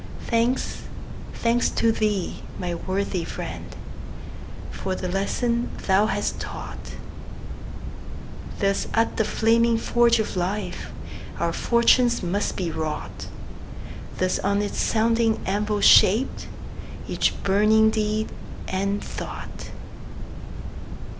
Thanks, thanks to thee, my worthy friend, For the lesson thou hast taught! Thus at the flaming forge of life Our fortunes must be wrought; Thus on its sounding anvil shaped Each burning deed and thought.